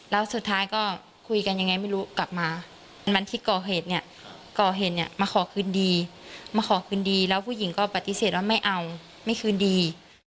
แล้วสุดท้ายก็คุยกันยังไงไม่รู้กลับมาวันที่ก่อเหตุเนี่ยก่อเหตุเนี่ยมาขอคืนดีมาขอคืนดีแล้วผู้หญิงก็ปฏิเสธว่าไม่เอาไม่คืนดี